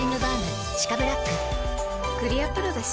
クリアプロだＣ。